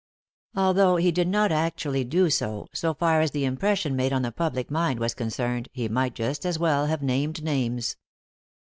Although he did not actually do so, so for as the impression made on the public mind was concerned he might just as well have named names.